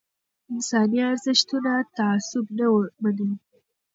انساني ارزښتونه تعصب نه مني